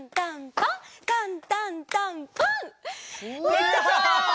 できた！